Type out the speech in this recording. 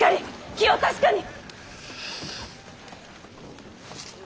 気を確かに！